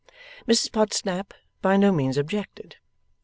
Mrs Podsnap by no means objected.